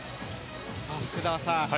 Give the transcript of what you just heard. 福澤さん